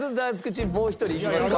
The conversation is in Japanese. チームもう一人いきますか？